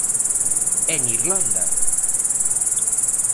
E en Irlanda!